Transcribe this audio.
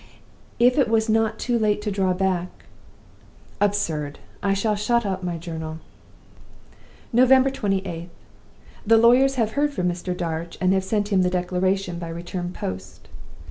If it was not too late to draw back Absurd! I shall shut up my journal." "November 28th. The lawyers have heard from Mr. Darch, and have sent him the Declaration by return of post.